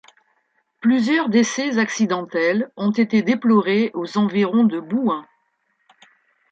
Plusieurs décès accidentels ont été déplorés aux environs de Bouin.